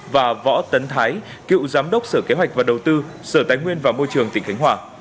và võ tấn thái cựu giám đốc sở kế hoạch và đầu tư sở tài nguyên và môi trường tỉnh khánh hòa